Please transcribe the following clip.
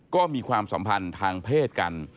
ก็มีความสัมพันธ์ทางเพศกัน